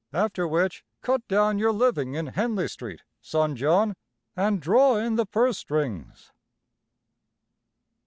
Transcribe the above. After which, cut down your living in Henley Street, son John, an' draw in the purse strings."